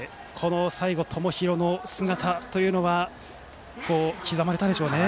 最後の友廣の、この姿というのは刻まれたでしょうね。